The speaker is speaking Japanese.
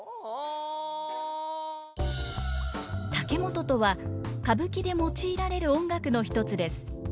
竹本とは歌舞伎で用いられる音楽の一つです。